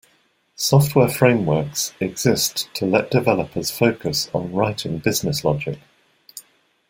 Software frameworks exist to let developers focus on writing business logic.